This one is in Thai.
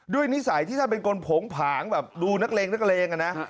นิสัยที่ท่านเป็นคนโผงผางแบบดูนักเลงนักเลงอะนะ